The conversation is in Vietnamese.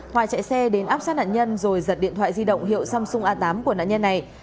hòa chạy xe đến áp sát nạn nhân rồi giật điện thoại di động hiệu samsung a tám của nạn nhân này